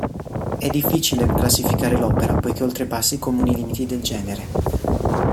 È difficile classificare l'opera poiché oltrepassa i comuni limiti del genere.